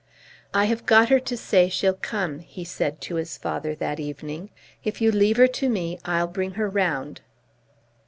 "I have got her to say she'll come," he said to his father that evening. "If you leave her to me, I'll bring her round."